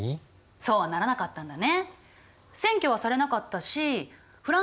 そうはならなかったんだね。